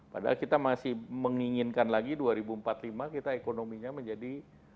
padahal kita masih menginginkan lagi dua ribu empat puluh lima kita ekonominya menjadi